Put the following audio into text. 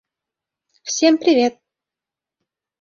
Всем привет.